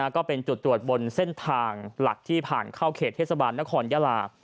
ก็เป็นจุดตรวจบนเส้นทางหลักที่ผ่านเข้าเขตเทศบาลนครยาลา